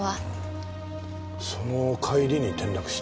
その帰りに転落した？